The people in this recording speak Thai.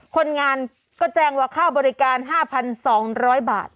คนงานก็แจ้งว่าค่าบริการ๕๒๐๐บาท